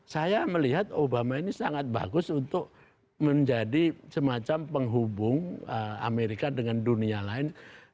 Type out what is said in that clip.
saya melihat obama ini sangat bagus untuk menjadi semacam penghubung amerika dengan dunia lain